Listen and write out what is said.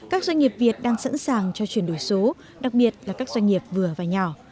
các doanh nghiệp việt đang sẵn sàng cho chuyển đổi số đặc biệt là các doanh nghiệp vừa và nhỏ